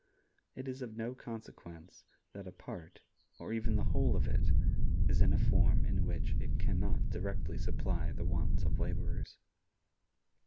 It is of no consequence that a part, or even the whole of it, is in a form in which it can not directly supply the wants of laborers.